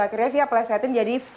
akhirnya fia pelesetin jadi f